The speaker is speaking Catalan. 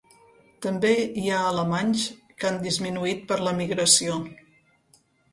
També hi ha alemanys que han disminuït per l'emigració.